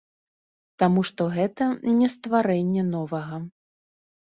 Таму што гэта не стварэнне новага.